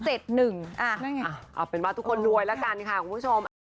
เอาเป็นว่าทุกคนรวยละกันค่ะคุณผู้ชม